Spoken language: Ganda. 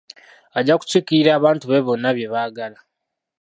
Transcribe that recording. Ajja kukiikirira abantu be bonna bye baagala.